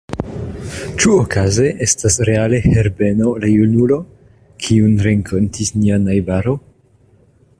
Ĉu okaze estas reale Herbeno la junulo, kiun renkontis nia najbaro?